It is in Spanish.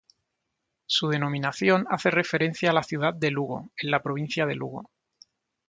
Su denominación hace referencia a la ciudad de Lugo, en la provincia de Lugo.